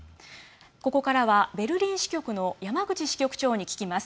ここからは、ベルリン支局の山口支局長に聞きます。